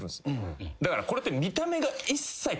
だからこれって。